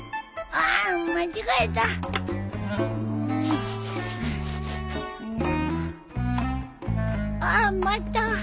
ああっまた。